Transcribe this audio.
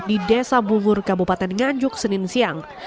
di desa bungur kabupaten nganjuk sinil siang